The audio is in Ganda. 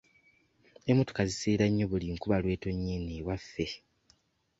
Emmotoka ziseerera nnyo buli nkuba lw'etonnya eno ewaffe.